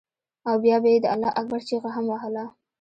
او بيا به یې د الله اکبر چیغه هم وهله.